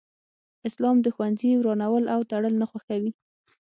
اسلام د ښوونځي ورانول او تړل نه خوښوي